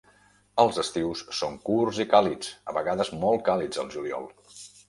Els estius són curts i càlids, a vegades molt càlids el juliol.